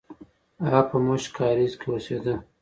هغه په موشک کارېز کې اوسېده.